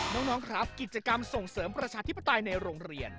น้องครับกิจกรรมส่งเสริมประชาธิปไตยในโรงเรียน